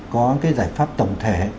có cái giải pháp tổng thể